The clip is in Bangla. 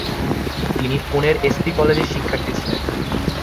তিনি পুনের এস পি কলেজের শিক্ষার্থী ছিলেন।